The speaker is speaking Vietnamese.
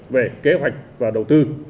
về kế hoạch và đầu tư